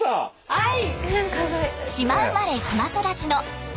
はい。